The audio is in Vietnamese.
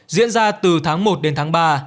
diễn ra từ tháng một đến tháng ba